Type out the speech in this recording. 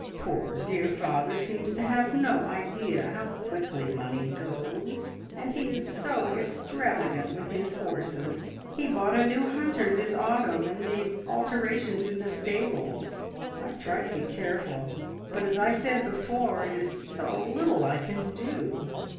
Poor dear father seems to have no idea how quickly money goes, and he is so extravagant with his horses. He bought a new hunter this autumn, and made alterations in the stables. I have tried to be careful, but, as I said before, it is so little I can do!